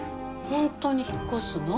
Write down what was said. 本当に引っ越すの？